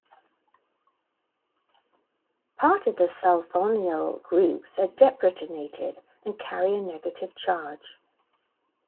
Part of the sulfonyl groups are deprotonated and carry a negative charge.